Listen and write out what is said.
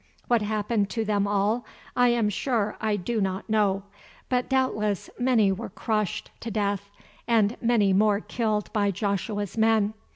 What happened to them all I am sure I do not know, but doubtless many were crushed to death and many more killed by Joshua's men.